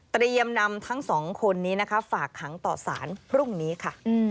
นำทั้งสองคนนี้นะคะฝากขังต่อสารพรุ่งนี้ค่ะ